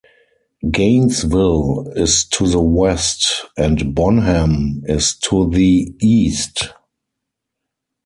Gainesville is to the west, and Bonham is to the east.